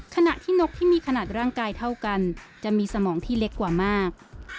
ขณะที่นกที่มีขนาดร่างกายเท่ากันจะมีสมองที่เล็กกว่ามาก